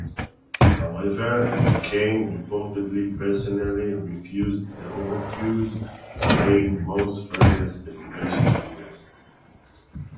However, McCain reportedly personally refused the overtures, laying most further speculation to rest.